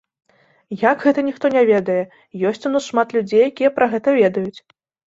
Як гэта ніхто не ведае, ёсць у нас шмат людзей, якія пра гэта ведаюць.